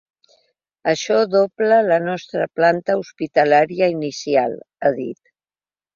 “Això dobla la nostra planta hospitalària inicial”, ha dit.